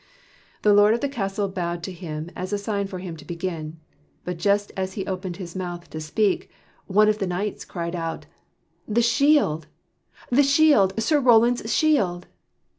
The lord of the castle bowed to him as a sign for him to begin, but just as he opened his mouth to speak, one of the knights cried out: "The shield! the shield! Sir Roland's shield!"